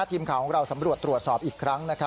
ทีมข่าวของเราสำรวจตรวจสอบอีกครั้ง